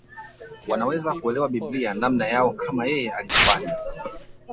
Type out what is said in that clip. Wanaweza kuelewa Biblia namna yao kama yeye alivyofanya